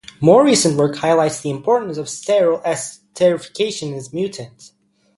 More recent work highlights the importance of sterol esterification in this mutant.